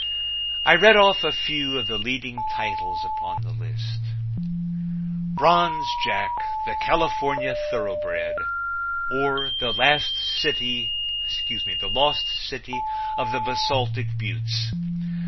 I read off a few of the leading titles upon the list: Bronze Jack, the California Thoroughbred; or, The Lost City of the Basaltic Buttes.